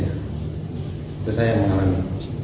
itu saya yang mengalami